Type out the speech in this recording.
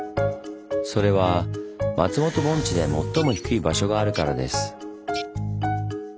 それは松本盆地で最も低い場所があるからです。